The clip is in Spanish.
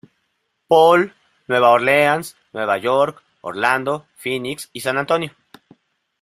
Paul, Nueva Orleans, Nueva York, Orlando, Phoenix, y San Antonio.